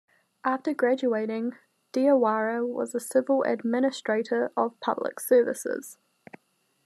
After graduating, Diawara was a civil administrator of public services.